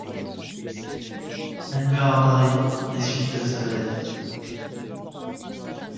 Elle meurt à Paris en des suites de sa maladie.